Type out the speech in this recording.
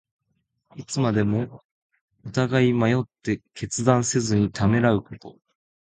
いつまでも疑い迷って、決断せずにためらうこと。